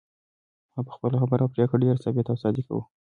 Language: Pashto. هغه په خپله خبره او پرېکړه کې ډېره ثابته او صادقه وه.